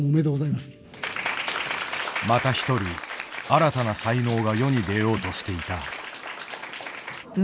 またひとり新たな才能が世に出ようとしていた。